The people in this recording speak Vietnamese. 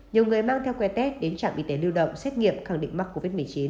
nhiều người mang theo que tết đến trạm y tế lưu động xét nghiệm khẳng định mắc covid một mươi chín